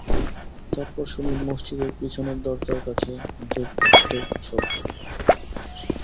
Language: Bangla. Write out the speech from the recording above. তারপর শুনি মসজিদের পিছনের দরজার কাছে ধূপ-ধূপ শব্দ।